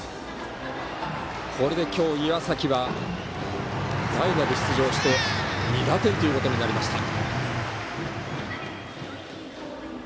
これで今日、岩崎は代打で出場して２打点ということになりました。